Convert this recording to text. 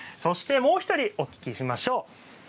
もう１人お聞きします。